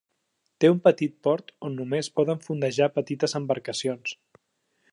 Té un petit port on només poden fondejar petites embarcacions.